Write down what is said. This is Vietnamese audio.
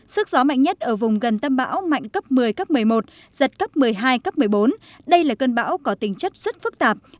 sức gió mạnh nhất ở vùng gần tâm bão mạnh cấp một mươi cấp một mươi một giật cấp một mươi hai cấp một mươi bốn đây là cơn bão có tính chất rất phức tạp